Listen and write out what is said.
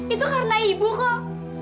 itu karena ibu kok